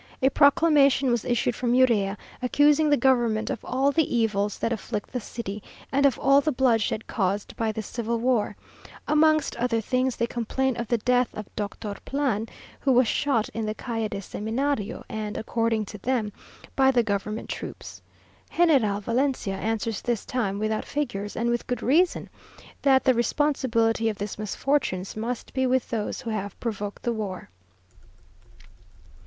A proclamation was issued by Urrea, accusing the government of all the evils that afflict the city, and of all the bloodshed caused by this civil war. Amongst other things, they complain of the death of Dr. Plan, who was shot in the Calle de Seminario, and, according to them, by the government troops. General Valencia answers this time without figures, and with good reason, that the responsibility of these misfortunes must be with those who have provoked the war.